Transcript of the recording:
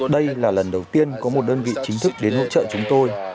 đây là lần đầu tiên có một đơn vị chính thức đến hỗ trợ chúng tôi